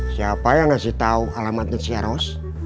siapa yang ngasih tau alamatnya si aros